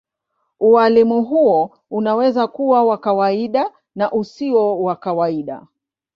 Ualimu huo unaweza kuwa wa kawaida na usio wa kawaida.